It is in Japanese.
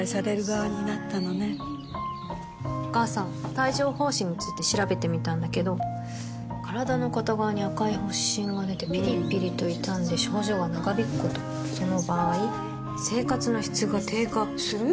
帯状疱疹について調べてみたんだけど身体の片側に赤い発疹がでてピリピリと痛んで症状が長引くこともその場合生活の質が低下する？